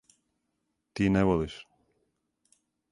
Ти не волиш.